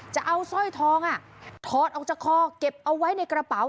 จะเอาสร้อยทองถอดออกจากคอเก็บเอาไว้ในกระเป๋า